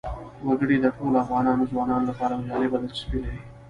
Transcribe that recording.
وګړي د ټولو افغان ځوانانو لپاره یوه جالبه دلچسپي لري.